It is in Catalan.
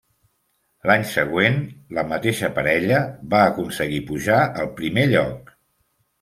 L'any següent, la mateixa parella, va aconseguir pujar al primer lloc.